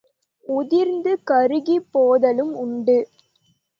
உதிர்ந்து கருகிப் போதலும் உண்டு.